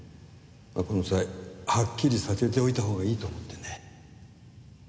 この際はっきりさせておいたほうがいいと思ってね。